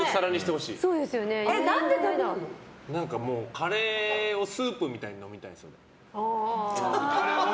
カレーをスープみたいに飲みたいんです。